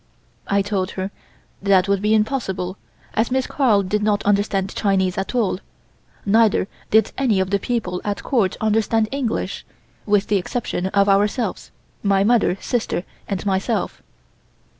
I told her that would be impossible as Miss Carl did not understand Chinese at all, neither did any of the people at Court understand English, with the exception of ourselves (my mother, sister and myself).